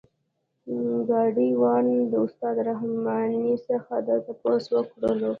ګاډی وان د استاد رحماني څخه دا تپوس وکړلو.